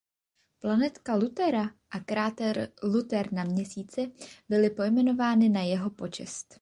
Planetka Luthera a kráter Luther na Měsíci byly pojmenovány na jeho počest.